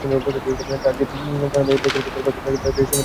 রাজীব জানালা দিয়ে দেখে তাদের বাস তাদের পরিচিত সিমেট্রিটাকে পাশ কাটায়।